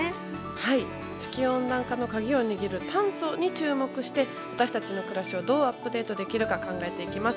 はい、地球温暖化の鍵を握る炭素に注目して私たちの暮らしをどうアップデートできるか考えていきます。